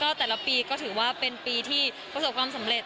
แต่ละปีก็ถือว่าเป็นปีที่ประสบความสำเร็จ